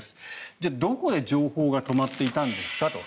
じゃあ、どこで情報が止まっていたんですかと。